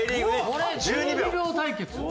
これ１２秒対決。